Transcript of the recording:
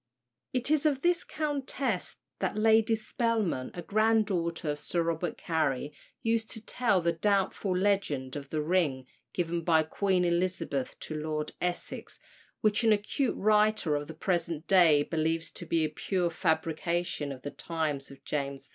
It is of this countess that Lady Spelman, a granddaughter of Sir Robert Cary, used to tell the doubtful legend of the ring given by Queen Elizabeth to Lord Essex, which an acute writer of the present day believes to be a pure fabrication of the times of James I.